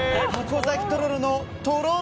筥崎とろろのとろろ